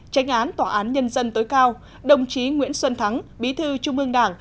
tránh án tòa án nhân dân tối cao đồng chí nguyễn xuân thắng bí thư trung mương đảng